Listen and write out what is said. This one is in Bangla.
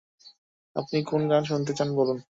আপনি কোন গান শুনতে চান বলুন?